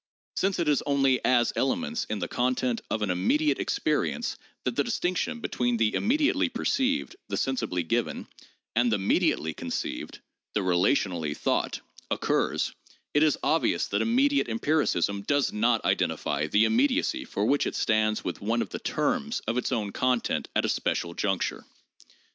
Since it is only as elements in the content of an immediate experience that the distinction between the immediately perceived (the sensibly given) and the mediately conceived (the rela tionally thought) occurs, it is obvious that immediate empiricism does not identify the immediacy for which it stands with one of the terms of its own content at a special juncture.